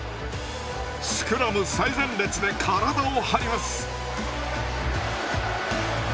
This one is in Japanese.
スクラム最前列で体を張ります。